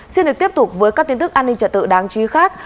xin được tiếp tục với các tin tức an ninh trật tự đáng chú ý khác